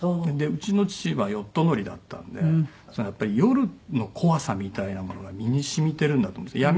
うちの父はヨット乗りだったのでやっぱり夜の怖さみたいなものが身に染みてるんだと思うんですよ。